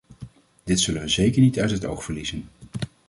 Dit zullen we zeker niet uit het oog verliezen.